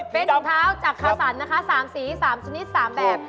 เป็นถุงเท้าจากคาสันนะคะ๓สี๓ชนิด๓แบบ